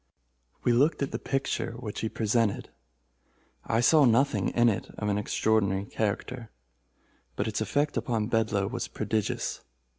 We looked at the picture which he presented. I saw nothing in it of an extraordinary character, but its effect upon Bedloe was prodigious.